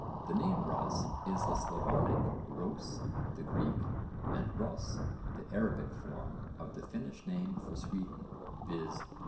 The name 'Rus' is the Slavonic, 'Rhôs' the Greek, and 'Rûs' the Arabic form of the Finnish name for Sweden, viz.